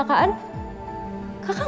kaka gak ada kan